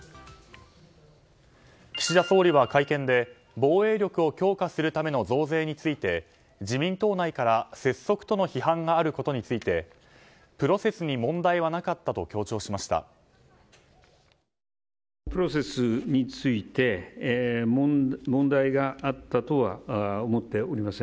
岸田総理は会見で防衛力を強化するための増税について自民党内から拙速との批判があることについてプロセスに問題はなかったと強調しました。